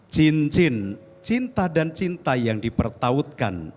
cincin cinta dan cinta yang dipertautkan